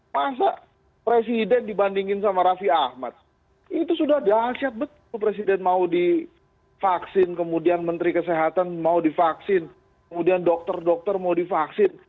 masa presiden dibandingin sama raffi ahmad itu sudah dahsyat betul presiden mau divaksin kemudian menteri kesehatan mau divaksin kemudian dokter dokter mau divaksin